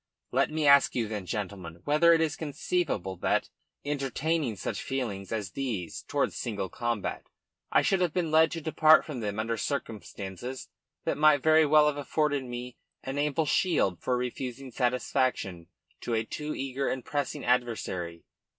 "Let me ask you, then, gentlemen, whether it is conceivable that, entertaining such feelings as these towards single combat, I should have been led to depart from them under circumstances that might very well have afforded me an ample shield for refusing satisfaction to a too eager and pressing adversary?